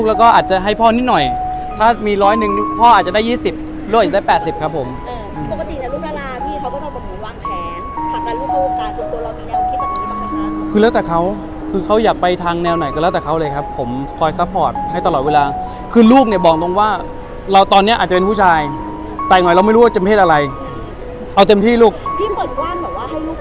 แล้วก็มีพี่เลี้ยงคนประมาณ๒โมงทุ่มถึงเช้านะครับแล้วก็มีพี่เลี้ยงคนประมาณ๒โมงทุ่มถึงเช้านะครับแล้วก็มีพี่เลี้ยงคนประมาณ๒โมงทุ่มถึงเช้านะครับแล้วก็มีพี่เลี้ยงคนประมาณ๒โมงทุ่มถึงเช้านะครับแล้วก็มีพี่เลี้ยงคนประมาณ๒โมงทุ่มถึงเช้านะครับแล้วก็มีพี่เลี้ยงคนประมาณ๒โมงทุ่มถึงเช้านะครั